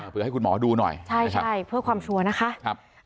เพื่อให้คุณหมอดูหน่อยใช่ใช่เพื่อความชัวร์นะคะ